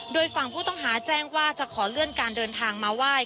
โดยฝั่งผู้ต้องหาแจ้งว่าจะขอเลื่อนการเดินทางมาไหว้